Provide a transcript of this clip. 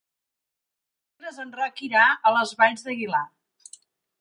Dimecres en Roc irà a les Valls d'Aguilar.